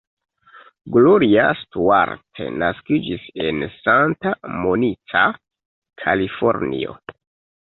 Gloria Stuart naskiĝis en Santa Monica, Kalifornio.